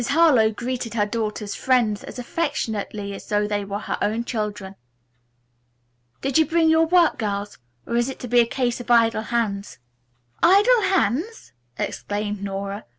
Harlowe greeted her daughter's friends as affectionately as though they were her own children. "Did you bring your work, girls, or is it to be a case of idle hands?" "Idle hands!" exclaimed Nora.